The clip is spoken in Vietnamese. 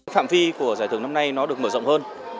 phạm phi của giải thưởng năm nay được mở rộng hơn